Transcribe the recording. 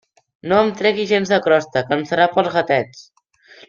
No em tregui gens de crosta, que serà pels gatets.